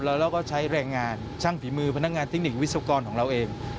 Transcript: แล้วเราก็ใช้แรงงานช่างฝีมือพนักงานเทคนิควิศวกรของเราเอง